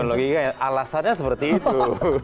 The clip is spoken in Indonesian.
logikanya alasannya seperti itu